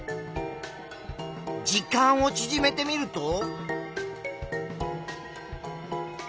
時間をちぢめてみると。